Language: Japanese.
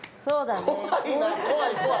そうだね。